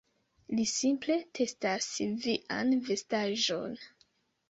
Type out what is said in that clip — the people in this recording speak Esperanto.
Li simple testas vian vestaĵon